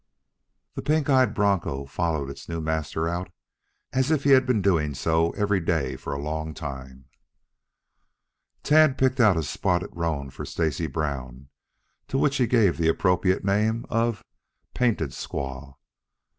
The pink eyed broncho followed its new master out as if he had been doing so every day for a long time. Tad picked out a spotted roan for Stacy Brown, to which he gave the appropriate name of "Painted squaw".